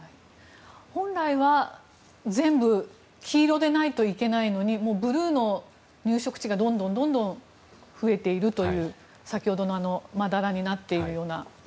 本来は、全部黄色でないといけないのにブルーの入植地がどんどん増えているという先ほどのまだらになっているような。